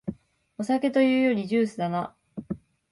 お酒というよりジュースだな